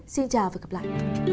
xin chào và gặp lại